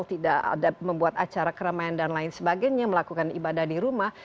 tidak ada membuat acara keramaian dan lain sebagainya melakukan ibadah di rumah